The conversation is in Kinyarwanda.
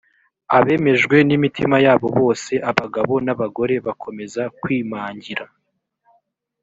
abemejwe n’imitima yabo bose abagabo n’abagore bakomeza kwimangira